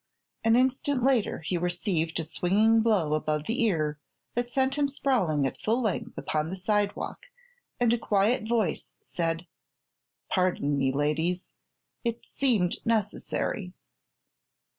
An instant later he received a swinging blow above the ear that sent him sprawling at full length upon the sidewalk, and a quiet voice said: "Pardon me, ladies; it seemed necessary."